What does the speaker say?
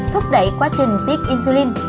thúc đẩy quá trình tiết insulin